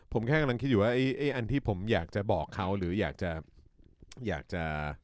ผมแค่กำลังคิดอยู่ว่าไอ้อันที่ผมอยากจะบอกเขาหรืออยากจะอยากจะ